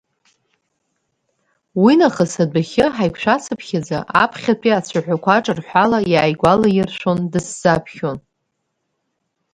Уи нахыс адәахьы ҳаиқәшәацыԥхьаӡа аԥхьатәи ацәаҳәақәа ҿырҳәала иааигәалаиршәон дысзаԥхьон…